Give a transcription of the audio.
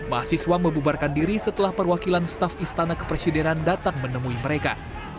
mahasiswa membubarkan diri setelah perwakilan staf istana kepresidenan datang menemui mereka